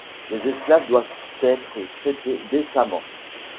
Les esclaves doivent être traités décemment.